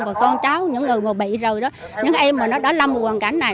và con cháu những người mà bị rồi đó những em mà nó đã làm một hoàn cảnh này